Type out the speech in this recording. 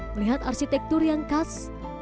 melihat arsitektur yang kaya